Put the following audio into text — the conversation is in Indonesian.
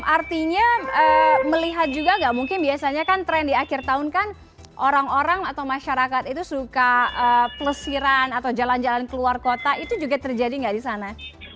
artinya melihat juga nggak mungkin biasanya kan tren di akhir tahun kan orang orang atau masyarakat itu suka pelesiran atau jalan jalan keluar kota itu juga terjadi nggak di sana